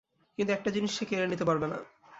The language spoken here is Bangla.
কিন্তু একটা জিনিস সে কেড়ে নিতে পারবে না।